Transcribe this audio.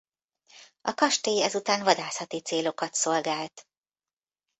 A kastély ezután vadászati célokat szolgált.